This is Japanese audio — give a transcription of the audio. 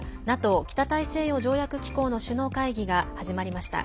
ＮＡＴＯ＝北大西洋条約機構の首脳会議が始まりました。